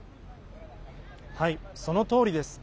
そのとおりです。